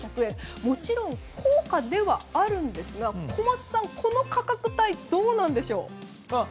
もちろん高価ではありますが小松さん、この価格帯はどうなんでしょう？